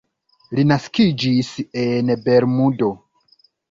Li naskiĝis en Bermudo.